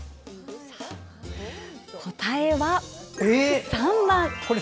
答えは３番！